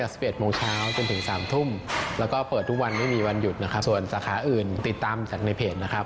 ส่วนสาขาอื่นติดตามจากในเพจนะครับ